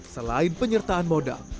selain penyertaan modal